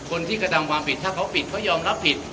คนที่กระทำความผิดถ้าเขาผิดเขายอมรับผิด